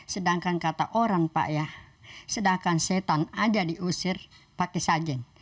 sedangkan kata orang pak ya sedangkan setan aja diusir pakai sajen